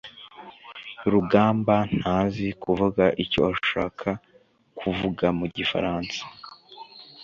rugamba ntazi kuvuga icyo ashaka kuvuga mu gifaransa